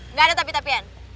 eh gak ada tapi tapian